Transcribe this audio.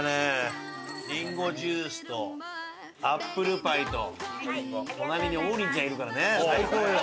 りんごジュースとアップルパイと隣に王林ちゃんいるからね最高よ。